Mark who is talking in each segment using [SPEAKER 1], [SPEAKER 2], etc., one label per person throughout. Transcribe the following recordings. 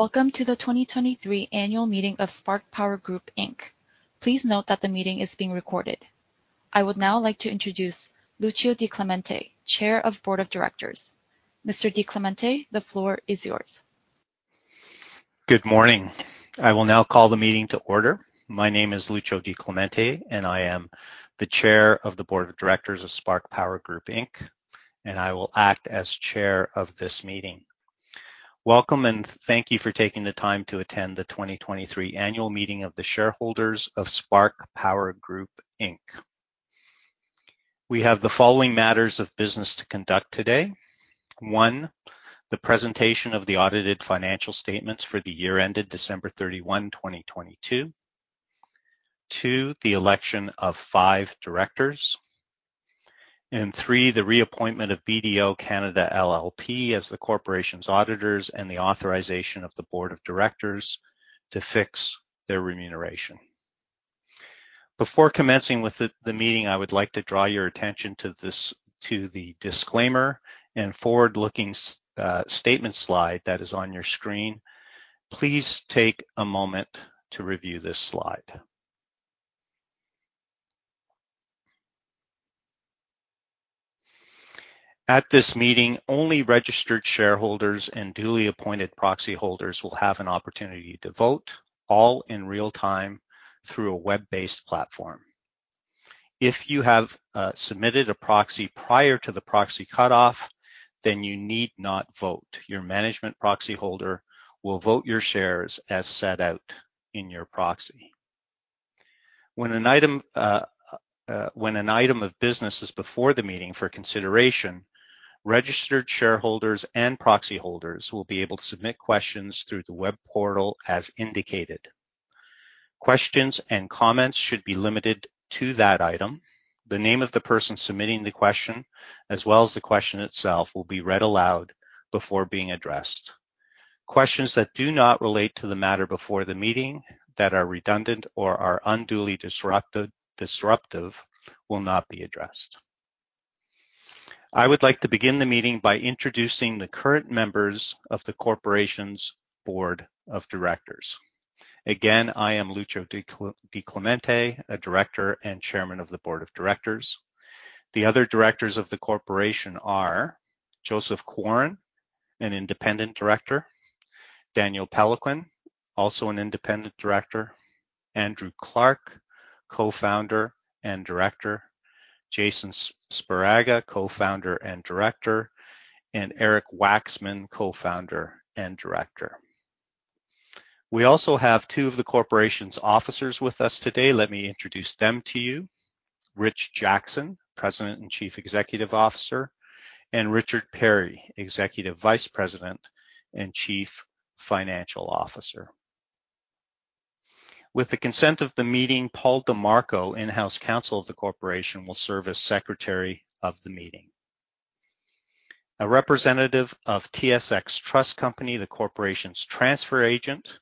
[SPEAKER 1] Welcome to the 2023 Annual Meeting of Spark Power Group Inc. Please note that the meeting is being recorded. I would now like to introduce Lucio Di Clemente, Chair of Board of Directors. Mr. Di Clemente, the floor is yours.
[SPEAKER 2] Good morning. I will now call the meeting to order. My name is Lucio Di Clemente, and I am the Chair of the Board of Directors of Spark Power Group Inc., and I will act as chair of this meeting. Welcome, and thank you for taking the time to attend the 2023 annual meeting of the shareholders of Spark Power Group Inc. We have the following matters of business to conduct today. One, the presentation of the audited financial statements for the year ended December 31, 2022. Two, the election of five directors. Three, the reappointment of BDO Canada LLP as the corporation's auditors and the authorization of the board of directors to fix their remuneration. Before commencing with the meeting, I would like to draw your attention to the disclaimer and forward-looking statement slide that is on your screen. Please take a moment to review this slide. At this meeting, only registered shareholders and duly appointed proxy holders will have an opportunity to vote, all in real time through a web-based platform. If you have submitted a proxy prior to the proxy cutoff, you need not vote. Your management proxy holder will vote your shares as set out in your proxy. When an item of business is before the meeting for consideration, registered shareholders and proxy holders will be able to submit questions through the web portal as indicated. Questions and comments should be limited to that item. The name of the person submitting the question, as well as the question itself, will be read aloud before being addressed. Questions that do not relate to the matter before the meeting, that are redundant or are unduly disruptive, will not be addressed. I would like to begin the meeting by introducing the current members of the corporation's board of directors. Again, I am Lucio Di Clemente, a Director and Chairman of the Board of Directors. The other directors of the corporation are Joseph Quarin, an Independent Director. Daniel Péloquin, also an Independent Director. Andrew Clark, Co-Founder and Director. Jason Sparaga, Co-Founder and Director, and Eric Waxman, Co-Founder and Director. We also have two of the corporation's officers with us today. Let me introduce them to you. Richard Jackson, President and Chief Executive Officer, and Richard Perri, Executive Vice President and Chief Financial Officer. With the consent of the meeting, Paul Demarco, In-house Counsel of the corporation, will serve as secretary of the meeting. A representative of TSX Trust Company, the corporation's transfer agent,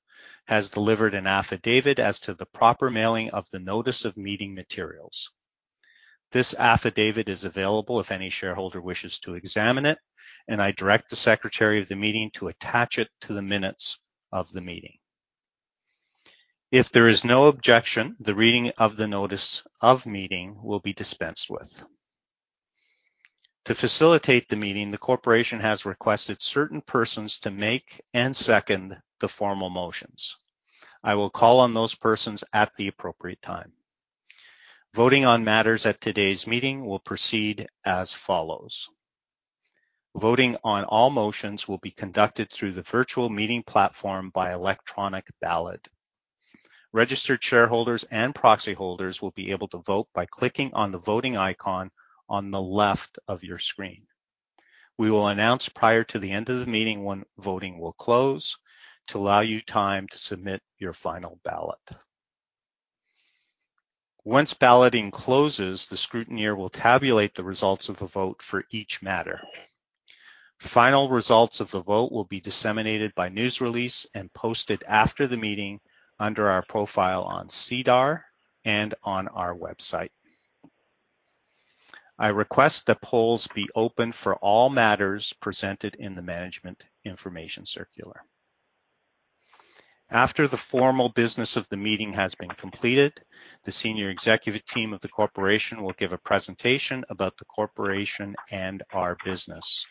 [SPEAKER 2] has delivered an affidavit as to the proper mailing of the notice of meeting materials. This affidavit is available if any shareholder wishes to examine it, and I direct the secretary of the meeting to attach it to the minutes of the meeting. If there is no objection, the reading of the notice of meeting will be dispensed with. To facilitate the meeting, the corporation has requested certain persons to make and second the formal motions. I will call on those persons at the appropriate time. Voting on matters at today's meeting will proceed as follows. Voting on all motions will be conducted through the virtual meeting platform by electronic ballot. Registered shareholders and proxy holders will be able to vote by clicking on the voting icon on the left of your screen. We will announce prior to the end of the meeting when voting will close to allow you time to submit your final ballot. Once balloting closes, the scrutineer will tabulate the results of the vote for each matter. Final results of the vote will be disseminated by news release and posted after the meeting under our profile on SEDAR and on our website. I request the polls be open for all matters presented in the management information circular. After the formal business of the meeting has been completed, the senior executive team of the corporation will give a presentation about the corporation and our business.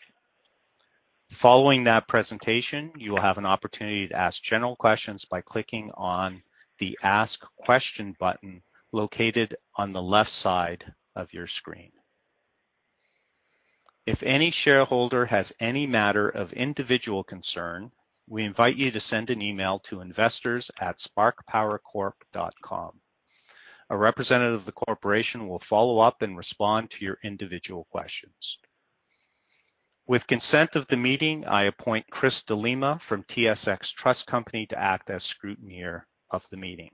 [SPEAKER 2] Following that presentation, you will have an opportunity to ask general questions by clicking on the Ask Question button located on the left side of your screen. If any shareholder has any matter of individual concern, we invite you to send an email to investors@sparkpowercorp.com. A representative of the corporation will follow up and respond to your individual questions. With consent of the meeting, I appoint Christopher de Lima from TSX Trust Company to act as scrutineer of the meeting.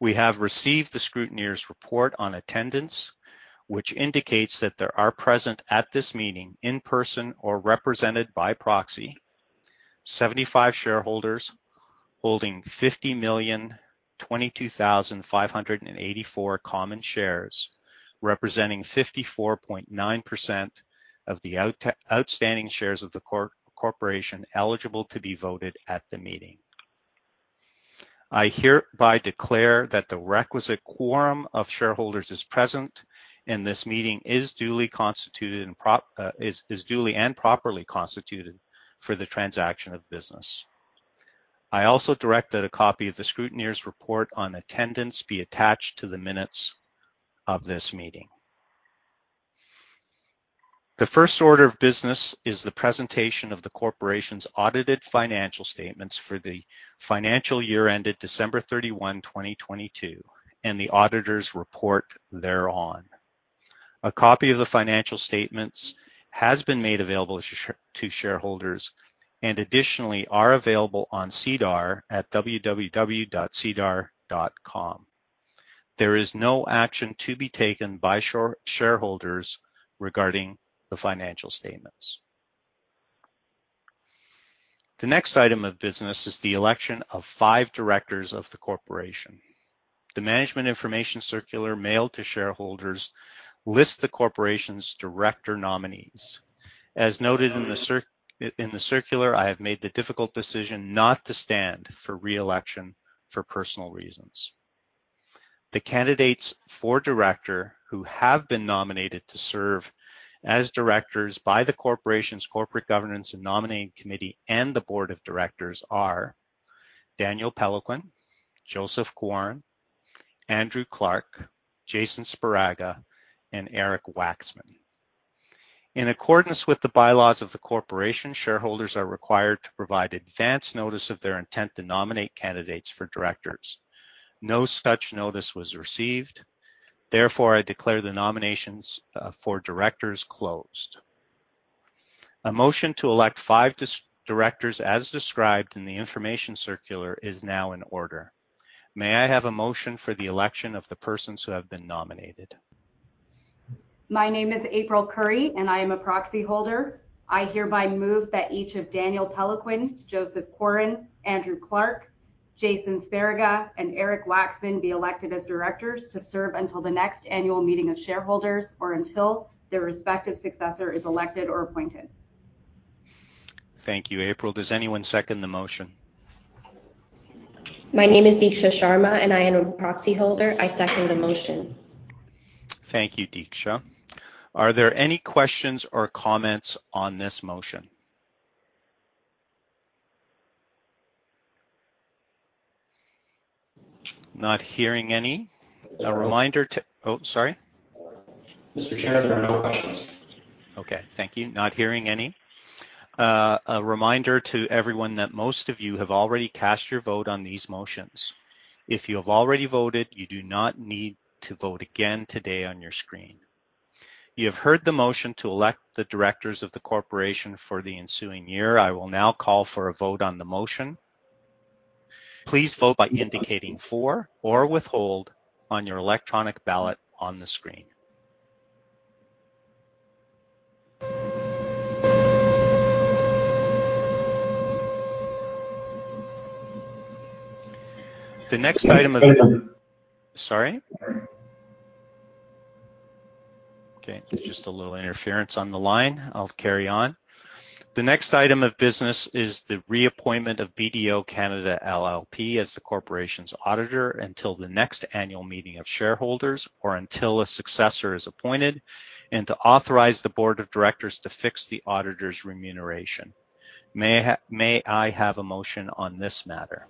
[SPEAKER 2] We have received the scrutineer's report on attendance, which indicates that there are present at this meeting, in person or represented by proxy, 75 shareholders holding 50,022,584 common shares, representing 54.9% of the outstanding shares of the corporation eligible to be voted at the meeting. I hereby declare that the requisite quorum of shareholders is present, and this meeting is duly and properly constituted for the transaction of business. I also direct that a copy of the scrutineer's report on attendance be attached to the minutes of this meeting. The first order of business is the presentation of the corporation's audited financial statements for the financial year ended December 31, 2022, and the auditor's report thereon. A copy of the financial statements has been made available to shareholders and additionally are available on SEDAR at www.sedar.com. There is no action to be taken by shareholders regarding the financial statements. The next item of business is the election of five directors of the corporation. The management information circular mailed to shareholders lists the corporation's director nominees. As noted in the circular, I have made the difficult decision not to stand for re-election for personal reasons. The candidates for director who have been nominated to serve as directors by the corporation's corporate governance and nominating committee and the board of directors are Daniel Péloquin, Joseph Quarin, Andrew Clark, Jason Sparaga, and Eric Waxman. In accordance with the bylaws of the corporation, shareholders are required to provide advance notice of their intent to nominate candidates for directors. No such notice was received. Therefore, I declare the nominations for directors closed. A motion to elect five directors as described in the information circular is now in order. May I have a motion for the election of the persons who have been nominated?
[SPEAKER 3] My name is April Curry, and I am a proxy holder. I hereby move that each of Daniel Peloquin, Joseph Quarin, Andrew Clark, Jason Sparaga, and Eric Waxman be elected as directors to serve until the next annual meeting of shareholders or until their respective successor is elected or appointed.
[SPEAKER 2] Thank you, April. Does anyone second the motion?
[SPEAKER 4] My name is Deeksha Sharma, and I am a proxy holder. I second the motion.
[SPEAKER 2] Thank you, Deeksha. Are there any questions or comments on this motion? Not hearing any. Oh, sorry.
[SPEAKER 5] Mr. Chair, there are no questions.
[SPEAKER 2] Okay. Thank you. Not hearing any, a reminder to everyone that most of you have already cast your vote on these motions. If you have already voted, you do not need to vote again today on your screen. You have heard the motion to elect the directors of the corporation for the ensuing year. I will now call for a vote on the motion. Please vote by indicating for or withhold on your electronic ballot on the screen. Sorry. Okay, there's just a little interference on the line. I'll carry on. The next item of business is the reappointment of BDO Canada LLP as the corporation's auditor until the next annual meeting of shareholders or until a successor is appointed, and to authorize the board of directors to fix the auditor's remuneration. May I have a motion on this matter?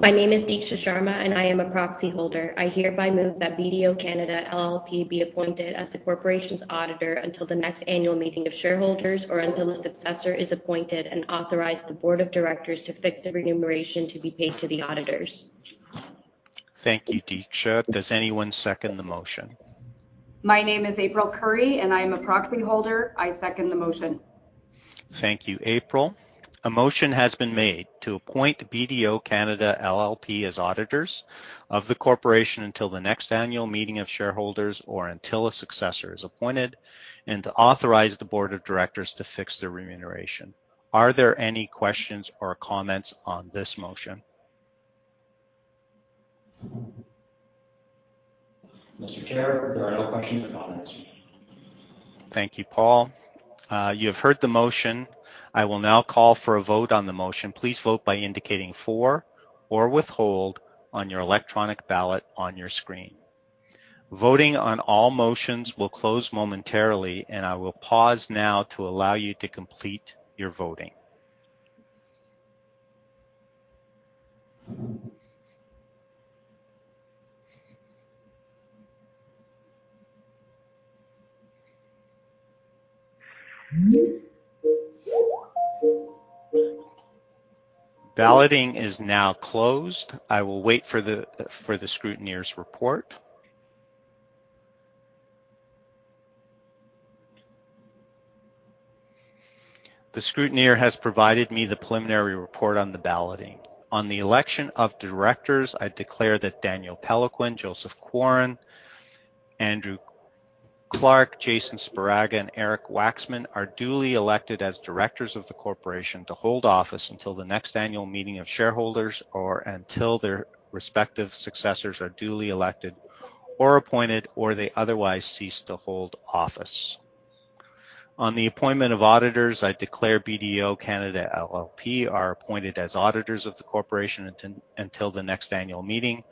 [SPEAKER 4] My name is Deeksha Sharma, and I am a proxy holder. I hereby move that BDO Canada LLP be appointed as the corporation's auditor until the next annual meeting of shareholders or until a successor is appointed, and authorize the board of directors to fix the remuneration to be paid to the auditors.
[SPEAKER 2] Thank you, Deeksha. Does anyone second the motion?
[SPEAKER 3] My name is April Curry, and I am a Proxy Holder. I second the motion.
[SPEAKER 2] Thank you, April. A motion has been made to appoint BDO Canada LLP as auditors of the corporation until the next annual meeting of shareholders or until a successor is appointed, and to authorize the board of directors to fix their remuneration. Are there any questions or comments on this motion?
[SPEAKER 5] Mr. Chair, there are no questions or comments.
[SPEAKER 2] Thank you, Paul. You have heard the motion. I will now call for a vote on the motion. Please vote by indicating for or withhold on your electronic ballot on your screen. Voting on all motions will close momentarily. I will pause now to allow you to complete your voting. Balloting is now closed. I will wait for the scrutineer's report. The scrutineer has provided me the preliminary report on the balloting. On the election of directors, I declare that Daniel Péloquin, Joseph Quarin, Andrew Clark, Jason Sparaga, and Eric Waxman are duly elected as directors of the corporation to hold office until the next annual meeting of shareholders, or until their respective successors are duly elected or appointed, or they otherwise cease to hold office. On the appointment of auditors, I declare BDO Canada LLP are appointed as auditors of the corporation until the next annual meeting,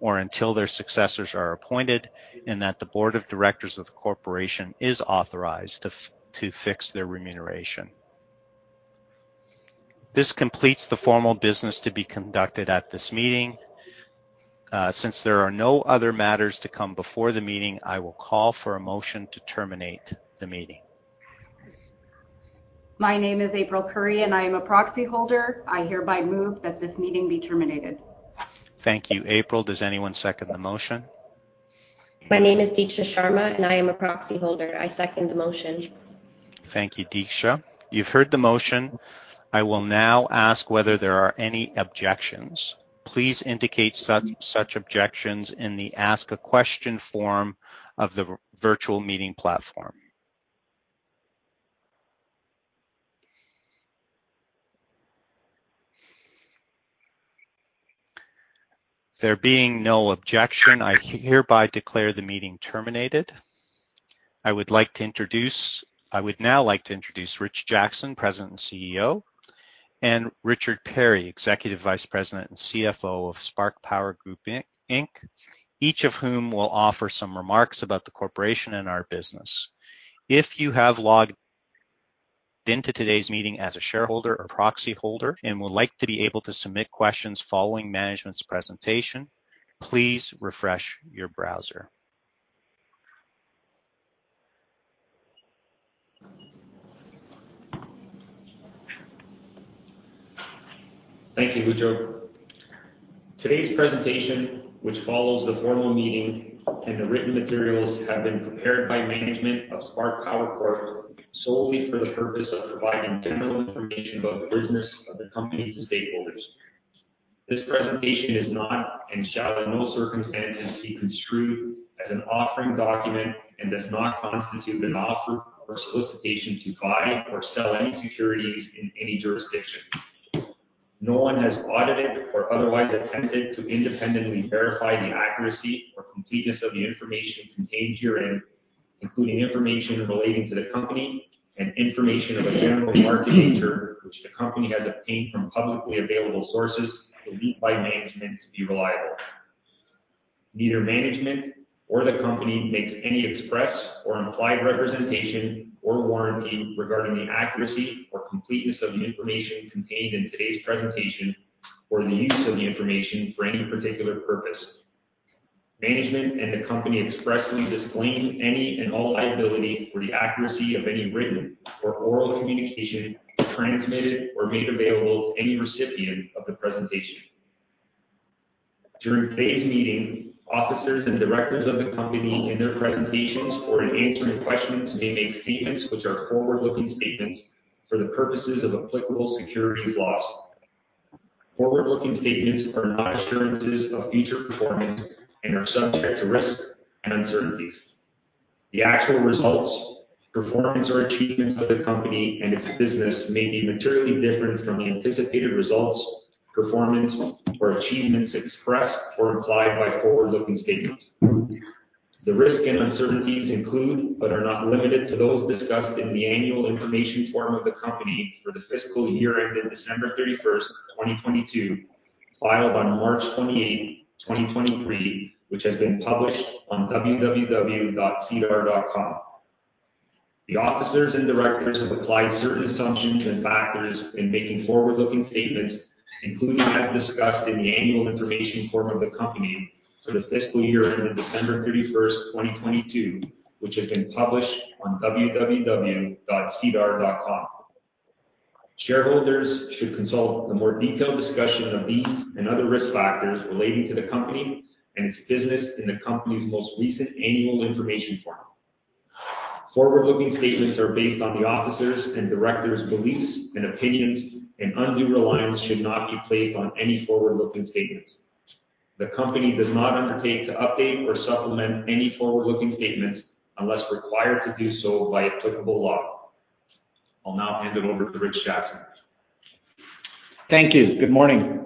[SPEAKER 2] or until their successors are appointed, and that the board of directors of the corporation is authorized to fix their remuneration. This completes the formal business to be conducted at this meeting. Since there are no other matters to come before the meeting, I will call for a motion to terminate the meeting.
[SPEAKER 3] My name is April Curry, and I am a proxy holder. I hereby move that this meeting be terminated.
[SPEAKER 2] Thank you, April. Does anyone second the motion?
[SPEAKER 4] My name is Deeksha Sharma, and I am a proxy holder. I second the motion.
[SPEAKER 2] Thank you, Deeksha. You've heard the motion. I will now ask whether there are any objections. Please indicate such objections in the Ask a Question form of the virtual meeting platform. There being no objection, I hereby declare the meeting terminated. I would now like to introduce Richard Jackson, President and CEO, and Richard Perri, Executive Vice President and CFO of Spark Power Group Inc., each of whom will offer some remarks about the corporation and our business. If you have logged into today's meeting as a shareholder or proxy holder and would like to be able to submit questions following management's presentation, please refresh your browser.
[SPEAKER 6] Thank you, Lucio. Today's presentation, which follows the formal meeting, and the written materials have been prepared by management of Spark Power Corp. solely for the purpose of providing general information about the business of the company to stakeholders. This presentation is not and shall in no circumstances be construed as an offering document and does not constitute an offer or solicitation to buy or sell any securities in any jurisdiction. No one has audited or otherwise attempted to independently verify the accuracy or completeness of the information contained herein, including information relating to the company and information of a general market nature which the company has obtained from publicly available sources believed by management to be reliable. Neither management or the company makes any express or implied representation or warranty regarding the accuracy or completeness of the information contained in today's presentation or the use of the information for any particular purpose. Management and the company expressly disclaim any and all liability for the accuracy of any written or oral communication transmitted or made available to any recipient of the presentation. During today's meeting, officers and directors of the company, in their presentations or in answering questions, may make statements which are forward-looking statements for the purposes of applicable securities laws. Forward-looking statements are not assurances of future performance and are subject to risk and uncertainties. The actual results, performance, or achievements of the company and its business may be materially different from the anticipated results, performance, or achievements expressed or implied by forward-looking statements. The risk and uncertainties include, but are not limited to, those discussed in the annual information form of the company for the fiscal year ending December 31st, 2022, filed on March 28th, 2023, which has been published on www.sedar.com. The officers and directors have applied certain assumptions and factors in making forward-looking statements, including as discussed in the annual information form of the company for the fiscal year ending December 31st, 2022, which has been published on www.sedar.com. Shareholders should consult the more detailed discussion of these and other risk factors relating to the company and its business in the company's most recent annual information form. Forward-looking statements are based on the officers' and directors' beliefs and opinions, and undue reliance should not be placed on any forward-looking statements. The company does not undertake to update or supplement any forward-looking statements unless required to do so by applicable law. I'll now hand it over to Richard Jackson.
[SPEAKER 7] Thank you. Good morning.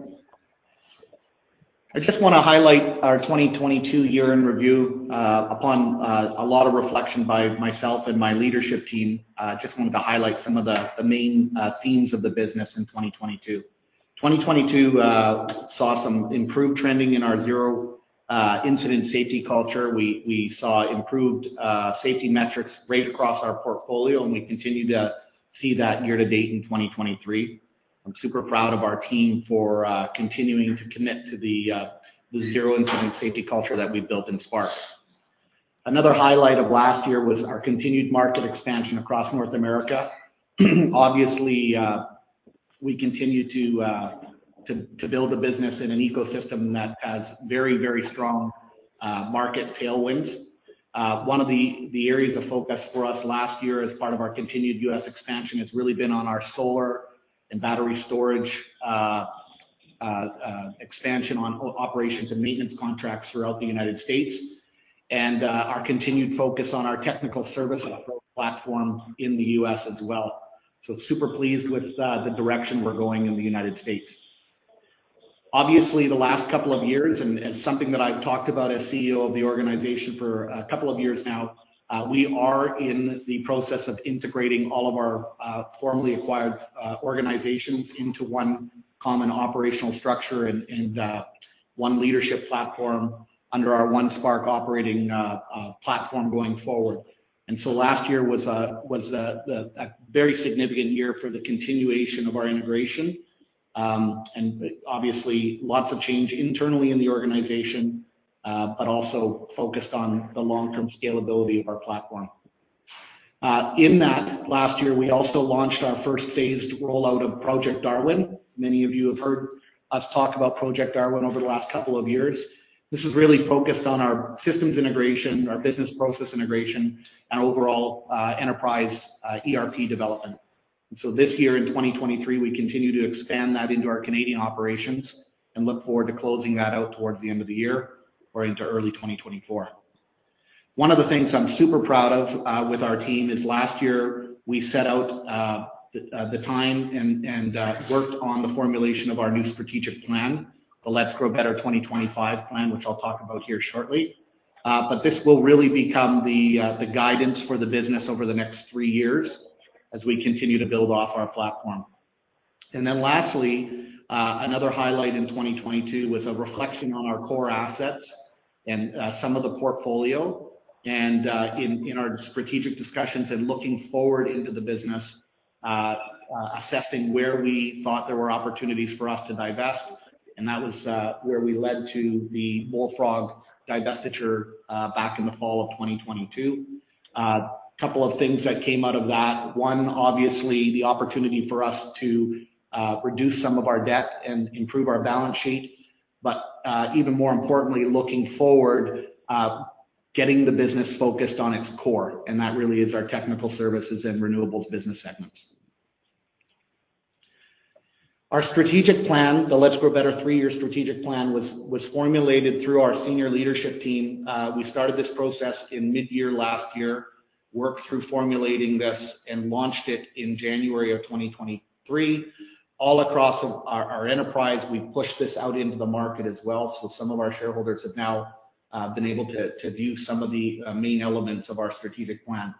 [SPEAKER 7] I just want to highlight our 2022 year-end review. Upon a lot of reflection by myself and my leadership team, I just wanted to highlight some of the main themes of the business in 2022. 2022 saw some improved trending in our zero incident safety culture. We saw improved safety metrics right across our portfolio, and we continue to see that year to date in 2023. I'm super proud of our team for continuing to commit to the zero incident safety culture that we've built in Spark Power. Another highlight of last year was our continued market expansion across North America. Obviously, we continue to build a business in an ecosystem that has very strong market tailwinds. One of the areas of focus for us last year as part of our continued U.S. expansion has really been on our solar and battery storage Expansion on operations and maintenance contracts throughout the United States, and our continued focus on our technical service approach platform in the U.S. as well. Super pleased with the direction we're going in the United States. Obviously, the last couple of years, and something that I've talked about as CEO of the organization for a couple of years now, we are in the process of integrating all of our formerly acquired organizations into one common operational structure and one leadership platform under our One Spark operating platform going forward. Last year was a very significant year for the continuation of our integration. Obviously, lots of change internally in the organization, but also focused on the long-term scalability of our platform. In that last year, we also launched our first phased rollout of Project Darwin. Many of you have heard us talk about Project Darwin over the last couple of years. This is really focused on our systems integration, our business process integration, and overall enterprise ERP development. This year, in 2023, we continue to expand that into our Canadian operations and look forward to closing that out towards the end of the year or into early 2024. One of the things I'm super proud of with our team is last year we set out the time and worked on the formulation of our new strategic plan, the Let's Grow Better 2025 plan, which I'll talk about here shortly. This will really become the guidance for the business over the next three years as we continue to build off our platform. Lastly, another highlight in 2022 was a reflection on our core assets and some of the portfolio and in our strategic discussions and looking forward into the business, assessing where we thought there were opportunities for us to divest, and that was where we led to the Bullfrog divestiture back in the fall of 2022. Couple of things that came out of that. One, obviously, the opportunity for us to reduce some of our debt and improve our balance sheet. Even more importantly, looking forward, getting the business focused on its core, and that really is our technical services and renewables business segments. Our strategic plan, the Let's Grow Better three-year strategic plan, was formulated through our senior leadership team. We started this process in mid-year last year, worked through formulating this, and launched it in January of 2023. All across our enterprise, we've pushed this out into the market as well. Some of our shareholders have now been able to view some of the main elements of our strategic plan.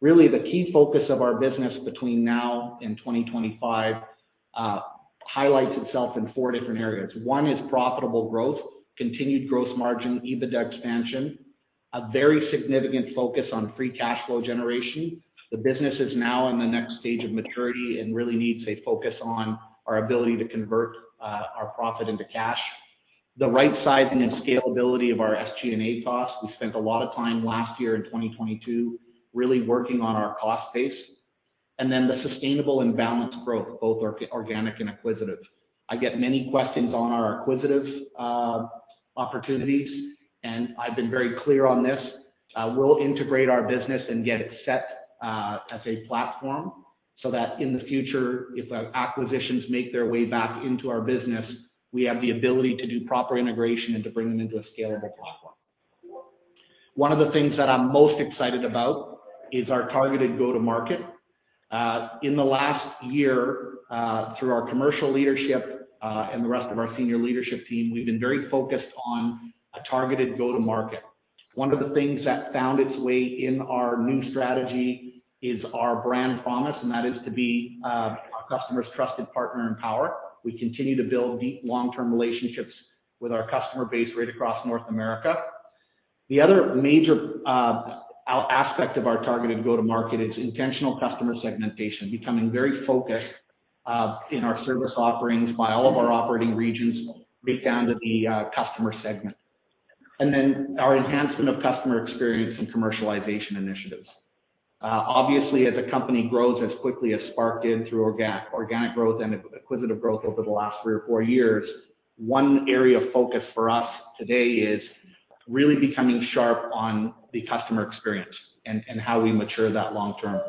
[SPEAKER 7] Really, the key focus of our business between now and 2025 highlights itself in four different areas. One is profitable growth, continued gross margin, EBITDA expansion, a very significant focus on free cash flow generation. The business is now in the next stage of maturity and really needs a focus on our ability to convert our profit into cash. The right sizing and scalability of our SG&A costs. We spent a lot of time last year in 2022 really working on our cost base. The sustainable and balanced growth, both organic and acquisitive. I get many questions on our acquisitive opportunities, and I've been very clear on this. We'll integrate our business and get it set as a platform so that in the future, if acquisitions make their way back into our business, we have the ability to do proper integration and to bring them into a scalable platform. One of the things that I'm most excited about is our targeted go-to-market. In the last year, through our commercial leadership and the rest of our senior leadership team, we've been very focused on a targeted go-to-market. One of the things that found its way in our new strategy is our brand promise, and that is to be our customer's trusted partner in power. We continue to build deep, long-term relationships with our customer base right across North America. The other major aspect of our targeted go-to-market is intentional customer segmentation, becoming very focused in our service offerings by all of our operating regions right down to the customer segment. Our enhancement of customer experience and commercialization initiatives. Obviously, as a company grows as quickly as Spark did through organic growth and acquisitive growth over the last three or four years, one area of focus for us today is really becoming sharp on the customer experience and how we mature that long-term.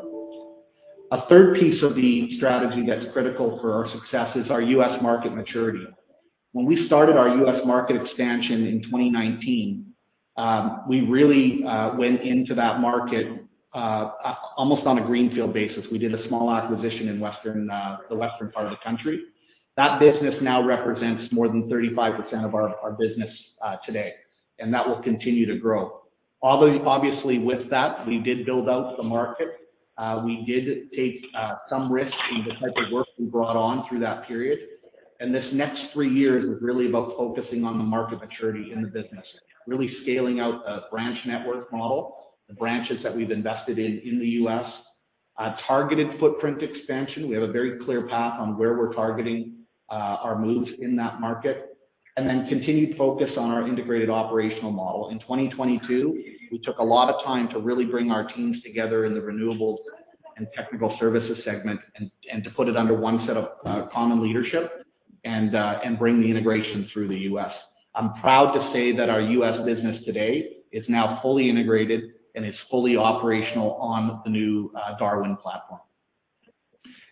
[SPEAKER 7] A third piece of the strategy that's critical for our success is our U.S. market maturity. When we started our U.S. market expansion in 2019, we really went into that market almost on a greenfield basis. We did a small acquisition in the western part of the country. That business now represents more than 35% of our business today, and that will continue to grow. Obviously, with that, we did build out the market. We did take some risks in the type of work we brought on through that period. This next three years is really about focusing on the market maturity in the business, really scaling out a branch network model, the branches that we've invested in in the U.S. A targeted footprint expansion. We have a very clear path on where we're targeting our moves in that market. Continued focus on our integrated operational model. In 2022, we took a lot of time to really bring our teams together in the renewables and technical services segment and to put it under one set of common leadership and bring the integration through the U.S. I'm proud to say that our U.S. business today is now fully integrated and is fully operational on the new Darwin platform.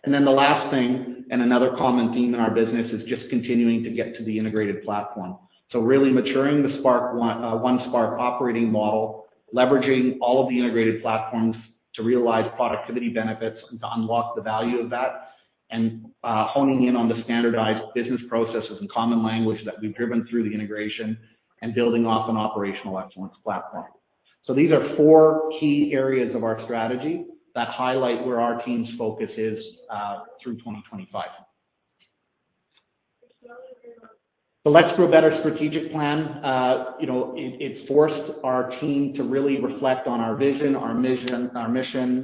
[SPEAKER 7] Then the last thing, and another common theme in our business, is just continuing to get to the integrated platform. Really maturing the One Spark operating model, leveraging all of the integrated platforms to realize productivity benefits and to unlock the value of that, and honing in on the standardized business processes and common language that we've driven through the integration and building off an operational excellence platform. These are four key areas of our strategy that highlight where our team's focus is through 2025. The Let's Grow Better strategic plan, it forced our team to really reflect on our vision, our mission,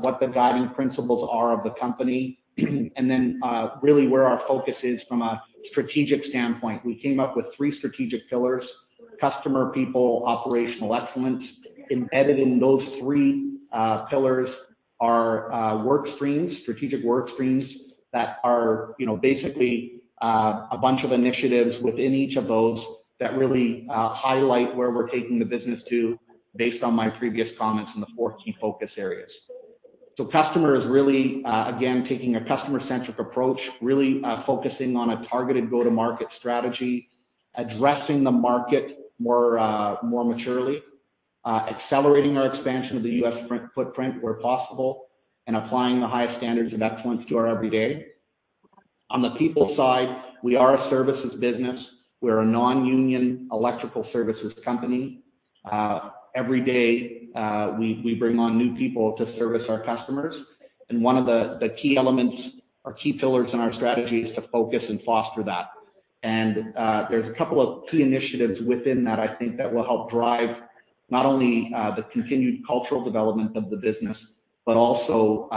[SPEAKER 7] what the guiding principles are of the company, and then really where our focus is from a strategic standpoint. We came up with three strategic pillars: customer, people, operational excellence. Embedded in those three pillars are work streams, strategic work streams that are basically a bunch of initiatives within each of those that really highlight where we're taking the business to based on my previous comments in the four key focus areas. Customer is really, again, taking a customer-centric approach, really focusing on a targeted go-to-market strategy, addressing the market more maturely, accelerating our expansion of the U.S. footprint where possible, and applying the highest standards of excellence to our every day. On the people side, we are a services business. We're a non-union electrical services company. Every day, we bring on new people to service our customers. One of the key elements or key pillars in our strategy is to focus and foster that. There's a couple of key initiatives within that I think that will help drive not only the continued cultural development of the business, but also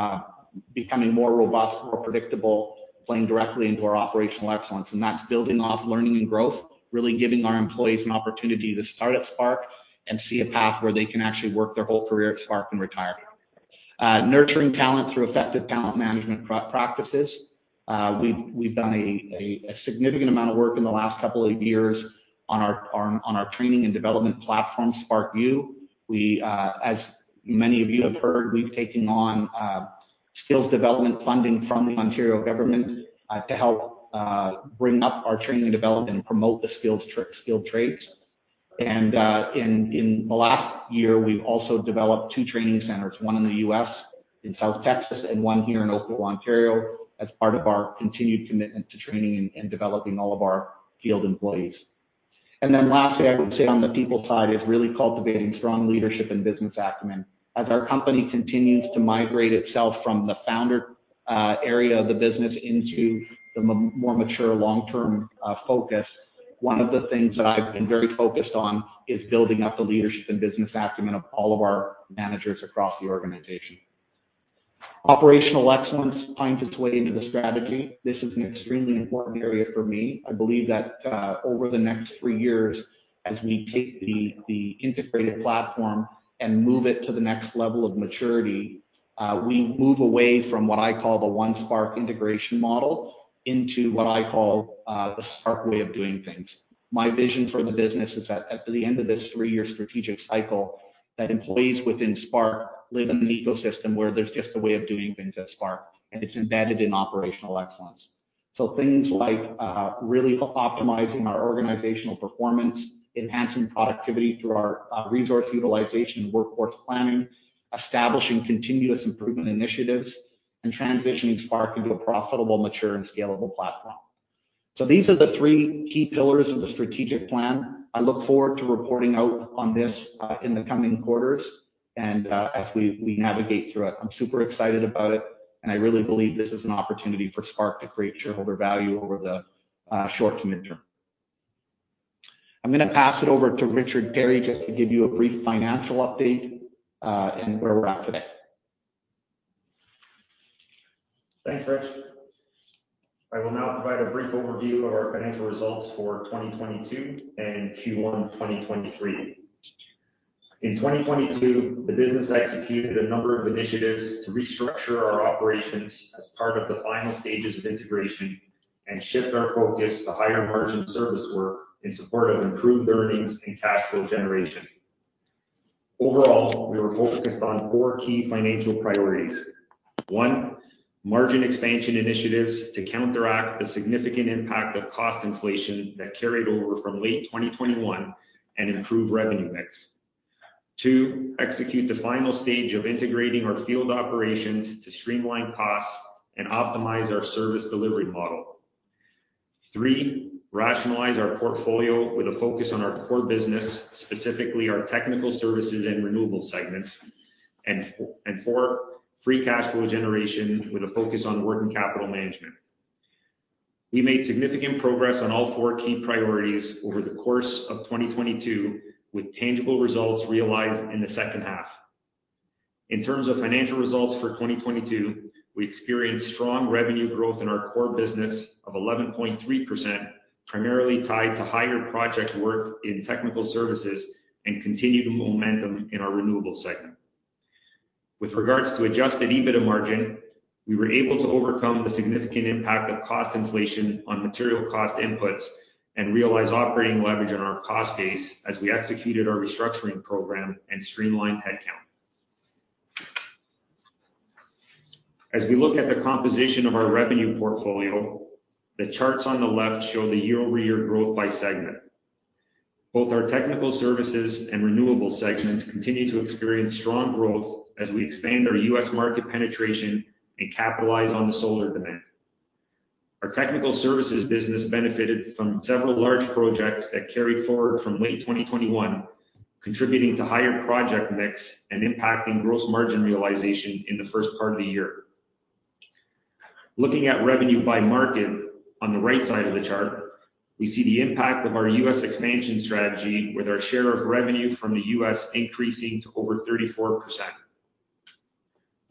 [SPEAKER 7] becoming more robust, more predictable, playing directly into our operational excellence. That's building off learning and growth, really giving our employees an opportunity to start at Spark and see a path where they can actually work their whole career at Spark and retire. Nurturing talent through effective talent management practices. We've done a significant amount of work in the last couple of years on our training and development platform, Spark U. As many of you have heard, we've taken on skills development funding from the Ontario government to help bring up our training and development and promote the skilled trades. In the last year, we've also developed two training centers, one in the U.S. in South Texas and one here in Oakville, Ontario, as part of our continued commitment to training and developing all of our field employees. Lastly, I would say on the people side is really cultivating strong leadership and business acumen. As our company continues to migrate itself from the founder area of the business into the more mature long-term focus, one of the things that I've been very focused on is building up the leadership and business acumen of all of our managers across the organization. Operational excellence finds its way into the strategy. This is an extremely important area for me. I believe that over the next three years, as we take the integrated platform and move it to the next level of maturity, we move away from what I call the One Spark integration model into what I call the Spark way of doing things. My vision for the business is that at the end of this three-year strategic cycle, that employees within Spark live in an ecosystem where there's just a way of doing things at Spark, and it's embedded in operational excellence. Things like really optimizing our organizational performance, enhancing productivity through our resource utilization and workforce planning, establishing continuous improvement initiatives, and transitioning Spark into a profitable, mature, and scalable platform. These are the three key pillars of the strategic plan. I look forward to reporting out on this in the coming quarters and as we navigate through it. I'm super excited about it, and I really believe this is an opportunity for Spark to create shareholder value over the short to midterm. I'm going to pass it over to Richard Perri just to give you a brief financial update, and where we're at today.
[SPEAKER 6] Thanks, Rich. I will now provide a brief overview of our financial results for 2022 and Q1 2023. In 2022, the business executed a number of initiatives to restructure our operations as part of the final stages of integration and shift our focus to higher-margin service work in support of improved earnings and cash flow generation. Overall, we were focused on four key financial priorities. One, margin expansion initiatives to counteract the significant impact of cost inflation that carried over from late 2021 and improve revenue mix. Two, execute the final stage of integrating our field operations to streamline costs and optimize our service delivery model. Three, rationalize our portfolio with a focus on our core business, specifically our technical services and renewable segments. Four, free cash flow generation with a focus on working capital management. We made significant progress on all four key priorities over the course of 2022, with tangible results realized in the second half. In terms of financial results for 2022, we experienced strong revenue growth in our core business of 11.3%, primarily tied to higher project work in technical services and continued momentum in our Renewables segment. With regards to adjusted EBITDA margin, we were able to overcome the significant impact of cost inflation on material cost inputs and realize operating leverage in our cost base as we executed our restructuring program and streamlined headcount. As we look at the composition of our revenue portfolio, the charts on the left show the year-over-year growth by segment. Both our technical services and Renewables segments continue to experience strong growth as we expand our U.S. market penetration and capitalize on the solar demand. Our technical services business benefited from several large projects that carried forward from late 2021, contributing to higher project mix and impacting gross margin realization in the first part of the year. Looking at revenue by market on the right side of the chart, we see the impact of our U.S. expansion strategy with our share of revenue from the U.S. increasing to over 34%.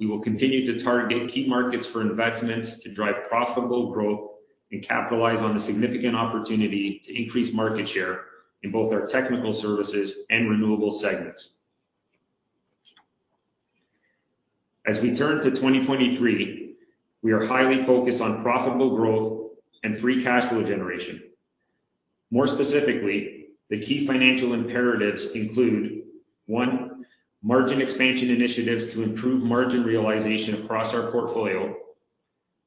[SPEAKER 6] We will continue to target key markets for investments to drive profitable growth and capitalize on the significant opportunity to increase market share in both our technical services and renewable segments. As we turn to 2023, we are highly focused on profitable growth and free cash flow generation. More specifically, the key financial imperatives include, one, margin expansion initiatives to improve margin realization across our portfolio.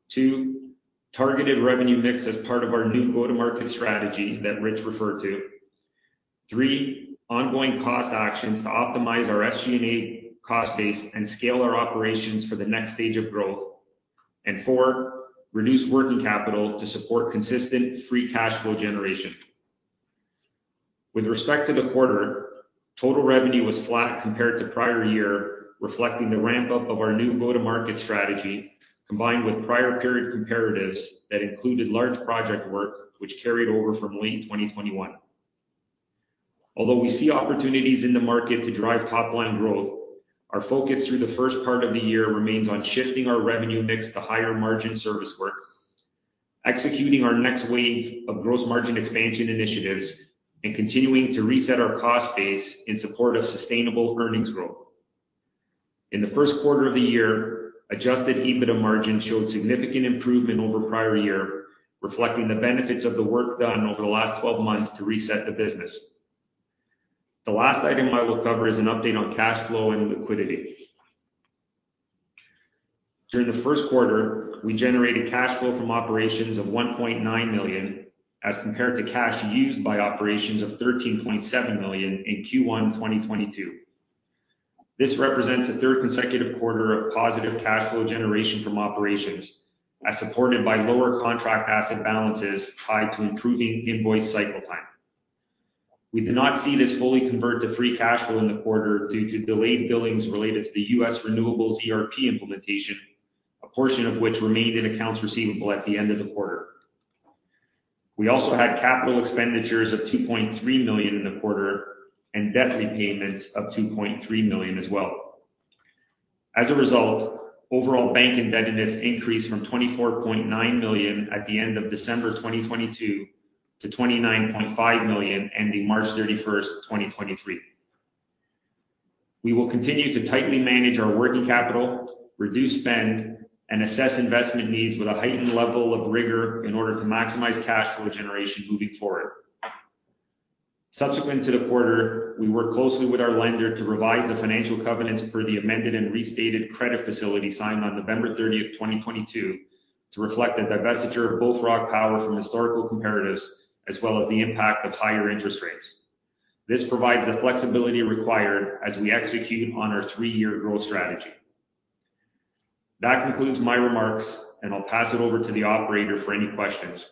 [SPEAKER 6] Two, targeted revenue mix as part of our new go-to-market strategy that Rich referred to. Three, ongoing cost actions to optimize our SG&A cost base and scale our operations for the next stage of growth. Four, reduce working capital to support consistent free cash flow generation. With respect to the quarter, total revenue was flat compared to prior year, reflecting the ramp-up of our new go-to-market strategy, combined with prior period comparatives that included large project work, which carried over from late 2021. Although we see opportunities in the market to drive top-line growth, our focus through the first part of the year remains on shifting our revenue mix to higher margin service work, executing our next wave of gross margin expansion initiatives, and continuing to reset our cost base in support of sustainable earnings growth. In the first quarter of the year, adjusted EBITDA margin showed significant improvement over prior year, reflecting the benefits of the work done over the last 12 months to reset the business. The last item I will cover is an update on cash flow and liquidity. During the first quarter, we generated cash flow from operations of 1.9 million as compared to cash used by operations of 13.7 million in Q1 2022. This represents a third consecutive quarter of positive cash flow generation from operations, as supported by lower contract asset balances tied to improving invoice cycle time. We did not see this fully convert to free cash flow in the quarter due to delayed billings related to the US Renewables ERP implementation, a portion of which remained in accounts receivable at the end of the quarter. We also had capital expenditures of 2.3 million in the quarter and debt repayments of 2.3 million as well. As a result, overall bank indebtedness increased from 24.9 million at the end of December 2022 to 29.5 million ending March 31, 2023. We will continue to tightly manage our working capital, reduce spend, and assess investment needs with a heightened level of rigor in order to maximize cash flow generation moving forward. Subsequent to the quarter, we worked closely with our lender to revise the financial covenants for the amended and restated credit facility signed on November 30, 2022, to reflect the divestiture of Bullfrog Power from historical comparatives, as well as the impact of higher interest rates. This provides the flexibility required as we execute on our three-year growth strategy. That concludes my remarks, and I'll pass it over to the operator for any questions.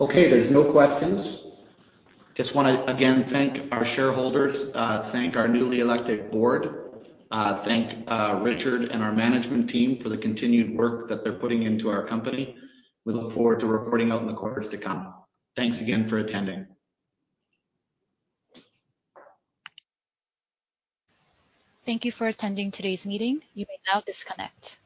[SPEAKER 7] Okay, there's no questions. Just want to, again, thank our shareholders, thank our newly elected board, thank Richard and our management team for the continued work that they're putting into our company. We look forward to reporting out in the quarters to come. Thanks again for attending.
[SPEAKER 1] Thank you for attending today's meeting. You may now disconnect.